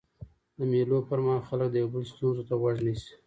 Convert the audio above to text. د مېلو پر مهال خلک د یو بل ستونزو ته غوږ نیسي.